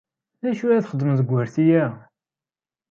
D acu i la txeddmeḍ deg wurti-a?